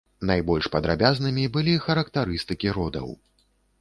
Найбольш падрабязнымі былі характарыстыкі родаў.